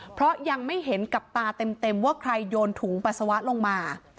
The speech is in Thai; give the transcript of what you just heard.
เพราะยังไม่เห็นกับตาเต็มว่าใครโยนถุงปัสสาวะลงมา